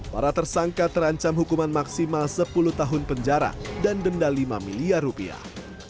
para tersangka terancam hukuman maksimal sepuluh tahun penjara dan denda lima miliar rupiah